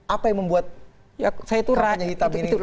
apa yang membuat keranya hitam ini